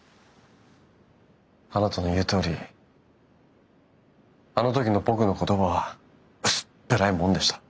あなたの言うとおりあの時の僕の言葉は薄っぺらいもんでした。